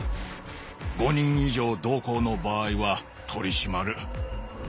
５人以上同行の場合は取り締まる。